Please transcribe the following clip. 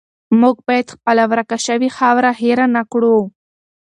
موږ باید خپله ورکه شوې خاوره هیره نه کړو.